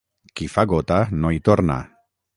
Qui fa gota no hi torna.